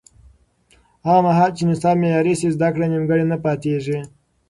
هغه مهال چې نصاب معیاري شي، زده کړه نیمګړې نه پاتې کېږي.